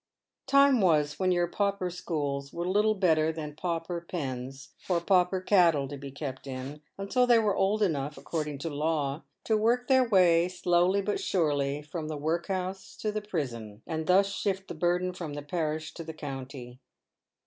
Time was, when your pauper schools were little better than pauper pens for pauper cattle to be kept in until they were old enough — according to law — to work their way, slowly but surely, from the workhouse to the prison, and thus shift the burden from the parish to the county.